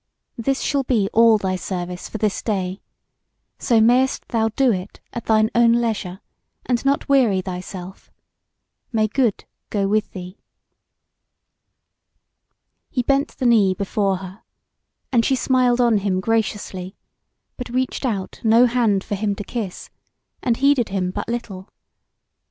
This shall be all thy service for this day, so mayst thou do it at thine own leisure, and not weary thyself. May good go with thee." He bent the knee before her, and she smiled on him graciously, but reached out no hand for him to kiss, and heeded him but little.